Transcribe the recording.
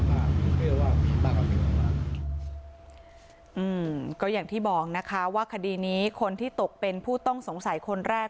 งั้นอย่างที่บอกคดีนี้คนที่จะตกเป็นคุณที่ต้องสงสัยคนแรก